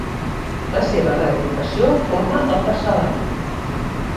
La seva reagrupació forma el parcel·lari.